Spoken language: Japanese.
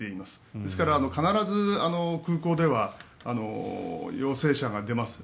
ですから、必ず空港では陽性者が出ます。